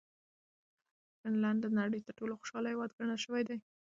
فنلنډ د نړۍ تر ټولو خوشحاله هېواد ګڼل شوی دی.